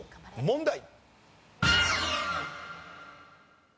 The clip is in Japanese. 問題。